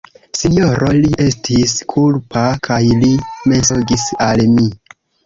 Sinjoro Li estis kulpa kaj li mensogis al mi!